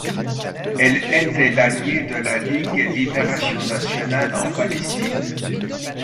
Elle était l'alliée de la Ligue de libération nationale en Palestine.